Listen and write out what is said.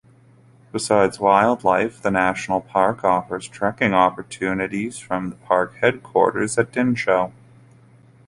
Besides wildlife, the National Park offers trekking opportunities from the park headquarters at Dinsho.